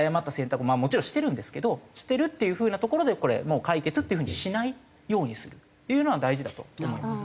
まあもちろんしてるんですけどしてるっていう風なところでこれもう解決っていう風にしないようにするっていうのは大事だと思いますね。